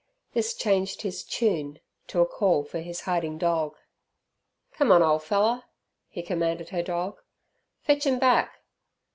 This changed his "chune" to a call for his hiding dog. "Come on, ole feller," he commanded her dog. "Fetch 'em back."